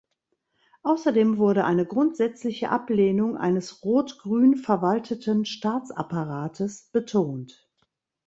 Außerdem wurde eine grundsätzliche Ablehnung eines „rot-grün verwalteten Staatsapparates“ betont.